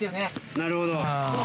なるほど。